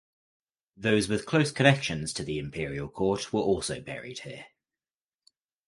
Those with close connections to the imperial court were also buried here.